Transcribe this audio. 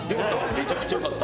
めちゃくちゃよかった。